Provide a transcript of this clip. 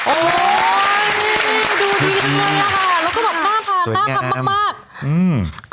โอ้ยดูดีดีเลยล่ะค่ะแล้วก็บอกน่าทาน่าทำมากมาก